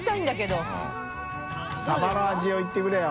匹Δ任垢サバの味を言ってくれよ。